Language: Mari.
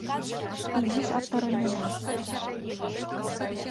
Изиш аптыранена.